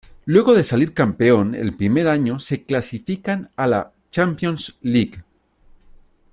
Luego de salir campeón el primer año se clasifican a la Champions League.